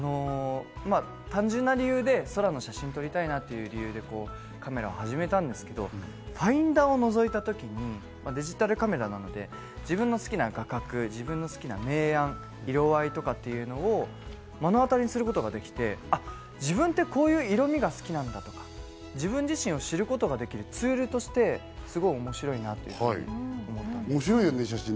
単純な理由で空の写真を撮りたいなという理由でカメラを始めたんですけど、ファインダーを覗いたときにデジタルカメラなので、自分の好きな画角、自分の好きな明暗・色合いというのを目の当たりにすることができて、自分ってこういう色味が好きなんだとか、自分自身を知ることができるツールとして、すごい面白いなと思ったんです。